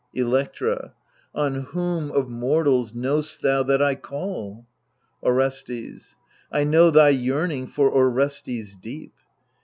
Electra On whom of mortals know'st thou that I call ? Orestes I know thy yearning for Orestes deep.